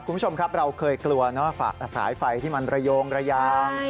คุณผู้ชมครับเราเคยกลัวเนอะสายไฟที่มันระโยงระยาง